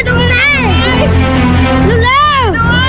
โดยเจ้าคืน